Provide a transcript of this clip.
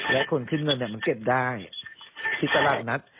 แล้วคนขึ้นเงินมันเก็บได้ที่ตลาดนัด